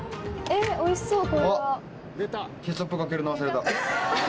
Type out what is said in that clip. へぇおいしそう。